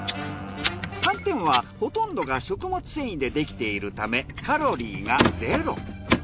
寒天はほとんどが食物繊維でできているためカロリーがゼロ。